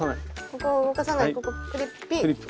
ここを動かさないここクリップピッ。